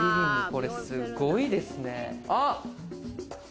これすごいですね。